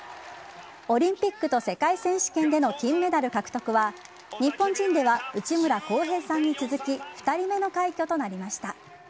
オリンピックと世界選手権での金メダル獲得は日本人では内村航平さんに続き２人目の快挙となりました。